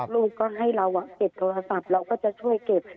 ลูกก็ให้เราเก็บโทรศัพท์เราก็จะช่วยเก็บ